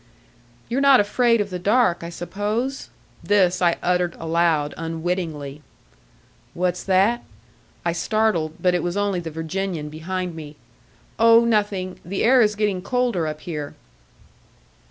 "You're not afraid of the dark, I suppose?" This I uttered aloud, unwittingly. "What's that?" I started; but it was only the Virginian behind me. "Oh, nothing. The air is getting colder up here."